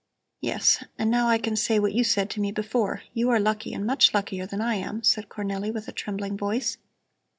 "Yes, and now I can say what you said to me before. You are lucky and much luckier than I am," said Cornelli with a trembling voice.